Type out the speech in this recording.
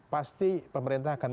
pasti pemerintah akan